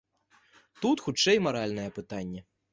Тут хутчэй маральнае пытанне.